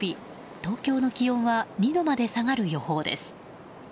東京の気温は２度まで下がる予報です。